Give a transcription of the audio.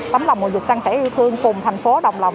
tấm lòng mùa dịch sân sẻ yêu thương cùng tp hcm